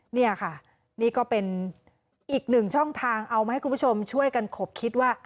นี่ค่ะนี่ก็เป็นอีกหนึ่งช่องทางเอามาให้คุณผู้ชมช่วยกันขบคิดว่า